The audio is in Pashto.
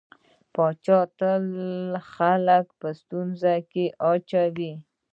پاچا تل خلک په ستونزو کې اچوي.